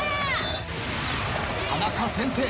田中先生